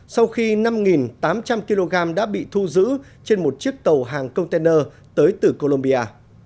sau khi năm tám trăm linh kg đã bị thu giữ trên một chiếc tàu hàng container tới từ colombia